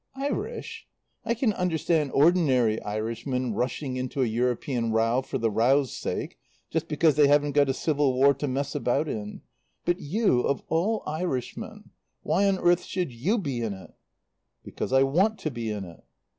"Irish? I can understand ordinary Irishmen rushing into a European row for the row's sake, just because they haven't got a civil war to mess about in. But you of all Irishmen why on earth should you be in it?" "Because I want to be in it."